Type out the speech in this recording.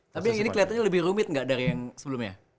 tapi ini kelihatannya lebih rumit gak dari yang sebelumnya